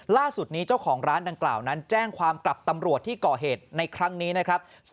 ล่าสุดนี้เจ้าของร้านดังกล่าวนั้นแจ้งความกลับตำรวจที่ก่อเหตุในครั้งนี้นะครับ